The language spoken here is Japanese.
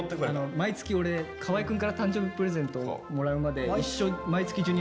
毎月俺河合くんから誕生日プレゼントもらうまで一生毎月「Ｊｒ